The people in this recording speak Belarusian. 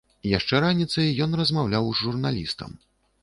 Яшчэ раніцай ён размаўляў з журналістам.